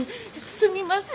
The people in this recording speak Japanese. すみません。